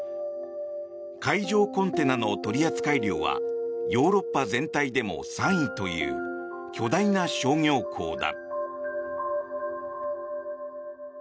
海上コンテナの取扱量はヨーロッパ全体で３位という巨大な商業港だ。